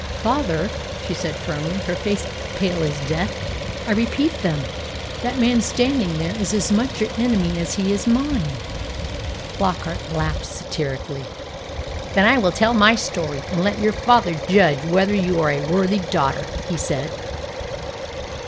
"Father," she said firmly, her face pale as death, "I repeat them. That man standing there is as much your enemy as he is mine!" Flockart laughed satirically. "Then I will tell my story, and let your father judge whether you are a worthy daughter," he said.